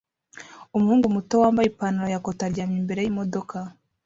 Umuhungu muto wambaye ipantaro ya cotoon aryamye imbere yimodoka